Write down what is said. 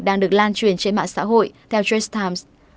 đang được lan truyền trên mạng xã hội theo jet times